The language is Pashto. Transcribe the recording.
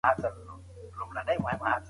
ځمه زه ليكمه يو نوم نن د ښــكلا پـــر پـاڼــه